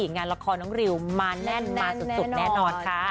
งานละครน้องริวมาแน่นมาสุดแน่นอนค่ะ